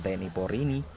dan tni polri ini